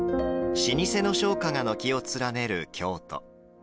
老舗の商家が軒を連ねる京都。